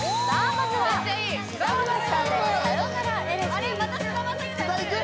まずは菅田将暉さんで「さよならエレジー」菅田いく？